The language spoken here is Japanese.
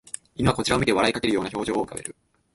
犬はこちらを見て笑いかけるような表情を浮かべる